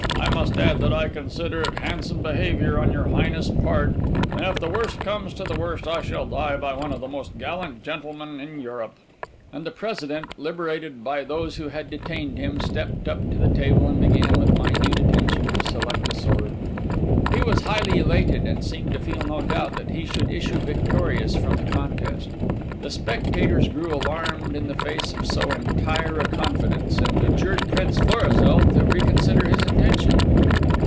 I must add that I consider it handsome behaviour on your Highness's part; and if the worst comes to the worst I shall die by one of the most gallant gentlemen in Europe." And the President, liberated by those who had detained him, stepped up to the table and began, with minute attention, to select a sword. He was highly elated, and seemed to feel no doubt that he should issue victorious from the contest. The spectators grew alarmed in the face of so entire a confidence, and adjured Prince Florizel to reconsider his intention.